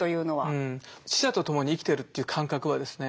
死者と共に生きているという感覚はですね